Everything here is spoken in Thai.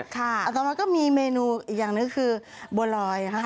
อัตมาก็มีเมนูอีกอย่างหนึ่งคือบัวลอยค่ะ